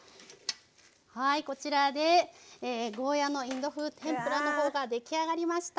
こちらでゴーヤーのインド風天ぷらのほうが出来上がりました。